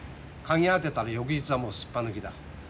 嗅ぎ当てたら翌日はもうスッパ抜きだ。